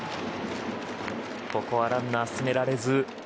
ここはランナー進められず。